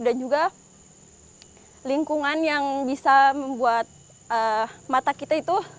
dan juga lingkungan yang bisa membuat mata kita itu